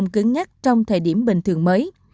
cứng nhắc trong thời điểm bình thường mới